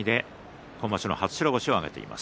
今場所初白星を挙げています。